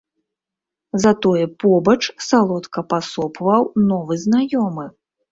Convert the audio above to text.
Затое побач салодка пасопваў новы знаёмы.